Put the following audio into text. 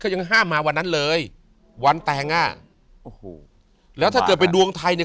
ยังห้ามมาวันนั้นเลยวันแต่งอ่ะโอ้โหแล้วถ้าเกิดเป็นดวงไทยเนี่ย